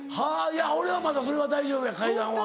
俺はまだそれは大丈夫や階段は。